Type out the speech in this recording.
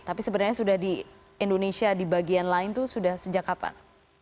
tapi sebenarnya sudah di indonesia di bagian lain itu sudah sejak kapan